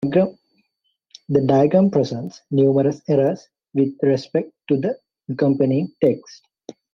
The diagram presents numerous errors with respect to the accompanying text.